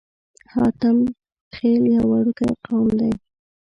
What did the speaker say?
حاتم خيل يو وړوکی قوم دی.